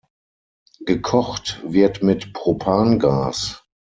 Gekocht wird mit Propangas.